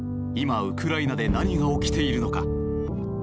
今、ウクライナで何が起きているのか。